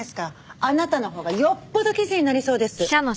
あなたのほうがよっぽど記事になりそうです。